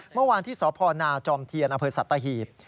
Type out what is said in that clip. เมื่อวานที่สพนจอมเทียนอสัตว์ฮีบ